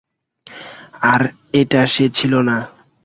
আর এটা সে ছিল না!